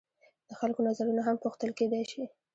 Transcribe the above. د خلکو نظرونه هم پوښتل کیدای شي.